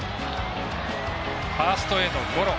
ファーストへのゴロ。